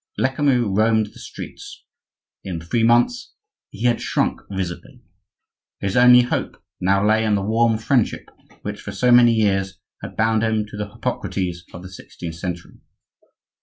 Lecamus roamed the streets; in three months he had shrunk visibly. His only hope now lay in the warm friendship which for so many years had bound him to the Hippocrates of the sixteenth century.